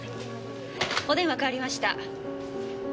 お電話代わりました。